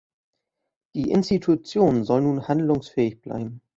Die Institution soll nun handlungsfähig bleiben.